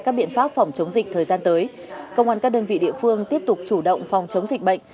các biện pháp phòng chống dịch thời gian tới công an các đơn vị địa phương tiếp tục chủ động phòng chống dịch bệnh